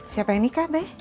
siapa yang nikah be